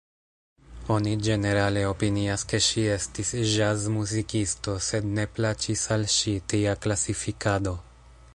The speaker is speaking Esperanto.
Oni ĝenerale opinias ke ŝi estis ĵazmuzikisto sed ne plaĉis al ŝi tia klasifikado.